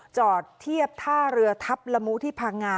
จอดเทียบท่าเรือทัพละมุที่พังงา